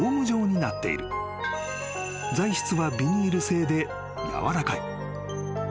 ［材質はビニール製で軟らかい］